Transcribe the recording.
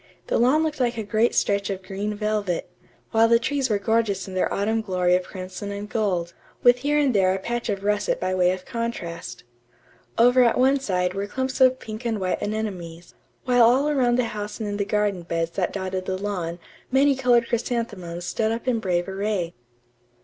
The lawn looked like a great stretch of green velvet, while the trees were gorgeous in their autumn glory of crimson and gold, with here and there a patch of russet by way of contrast. Over at one side were clumps of pink and white anemones; while all around the house and in the garden beds that dotted the lawn many colored chrysanthemums stood up in brave array.